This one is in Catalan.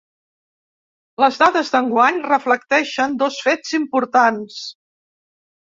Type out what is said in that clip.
Les dades d’enguany reflecteixen dos fets importants.